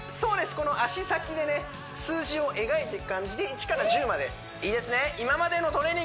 この足先でね数字を描いていく感じで１から１０までいいですねですよ